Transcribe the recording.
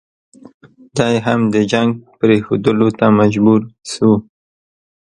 دی هم د جنګ پرېښودلو ته مجبور شو.